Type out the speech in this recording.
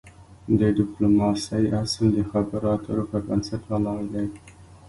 د د ډيپلوماسی اصل د خبرو اترو پر بنسټ ولاړ دی.